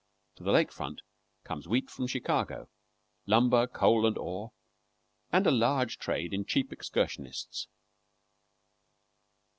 To the lake front comes wheat from Chicago, lumber, coal, and ore, and a large trade in cheap excursionists.